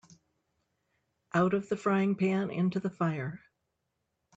Out of the frying pan into the fire.